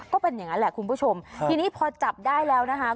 ก็เป็นอย่างนั้นแหละคุณผู้ชมทีนี้พอจับได้แล้วนะคะ